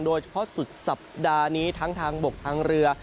โดยเฉพาะสุดสัปดาห์นี้ทั้งทางบกทางเรือ